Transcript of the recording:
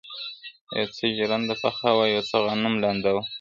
o يو څه ژرنده پڅه وه، يو څه غنم لانده وه٫